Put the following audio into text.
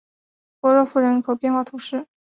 波热夫人口变化图示